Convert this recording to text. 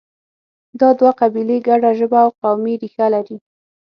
دا دوه قبیلې ګډه ژبه او قومي ریښه لري.